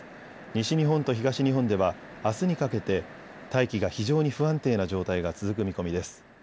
西日本と東日本ではあすにかけて大気が非常に不安定な状態が続く見込みです。